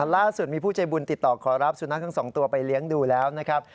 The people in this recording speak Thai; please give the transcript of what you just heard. ล่าสุดมีผู้ใจบุญติดต่อขอรับสุนัขทั้งสองตัวไปเลี้ยงดูแล้วนะครับ